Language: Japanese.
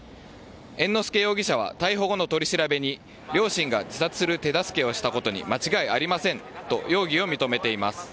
猿之助容疑者は逮捕後の取り調べに両親が自殺する手助けをしたことに間違いありませんと容疑を認めています。